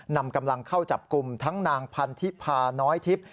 นำกำลังเข้าจับกลุ่มทั้งนางพันธิพาน้อยทิพย์